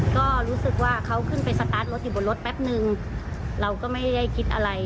ก็รู้สึกว่าเขาขึ้นไปสตาร์ทรถอยู่บนรถแป๊บนึงเราก็ไม่ได้คิดอะไร